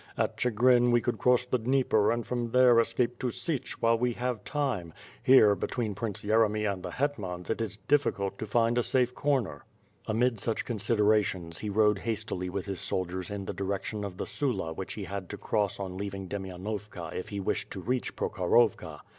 At Chigrin, we could cross the Dnieper and from there escape to Sich while we have time; here, between Prince Yeremy and the hetmans, it is difficult to find a safe corner." Amid such considerations, he rode hastily with his sol diers in the direction of the Sula which he had to cross on leaving. Demainovka if he wished to reach Prokhorovka.